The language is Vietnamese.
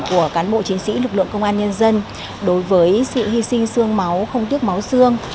của cán bộ chiến sĩ lực lượng công an nhân dân đối với sự hy sinh sương máu không tiếc máu xương